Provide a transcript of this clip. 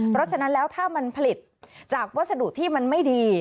เพราะฉะนั้นแล้วถ้ามันผลิตจากวัสดุที่มันไม่ดี